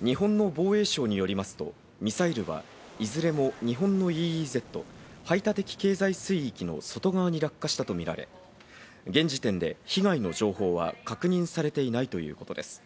日本の防衛省によりますとミサイルはいずれも日本のＥＥＺ＝排他的経済水域の外側に落下したとみられ、現時点で被害の情報は確認されていないということです。